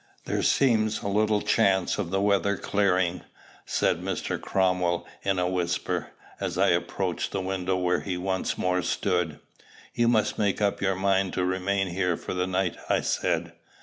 "There seems little chance of the weather clearing," said Mr. Cromwell in a whisper, as I approached the window where he once more stood. "You must make up your mind to remain here for the night," I said.